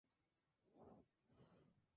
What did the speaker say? Nació y se crio en el Reino de Ponto.